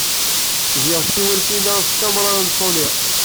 GiƔ tiwlafin-a s tkamra Sonny.